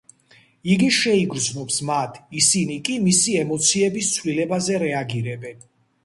იგი შეიგრძნობს მათ, ისინი კი მისი ემოციების ცვლილებაზე რეაგირებენ.